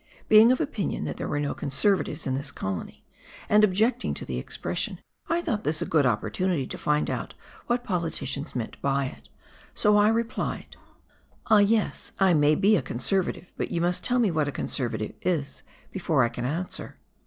Being of opinion that there were no Conservatives in this colony, and objecting to the expression, I thought this a good opportunity to find out what poKticians meant by it ; so I replied, "Ah yes, I may be a Conservative, but you must tell me what a Conservative is, before I can answer."